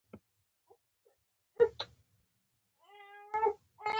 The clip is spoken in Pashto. د ښځینه مراجعینو تر اړتیا اضافي خبري او بانډار کول